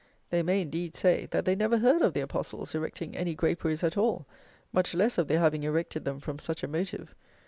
They may, indeed, say, that they never heard of the Apostles erecting any graperies at all, much less of their having erected them from such a motive.